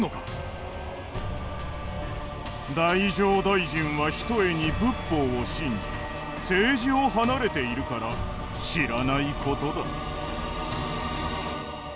太政大臣はひとえに仏法を信じ政治を離れているから知らない事だ。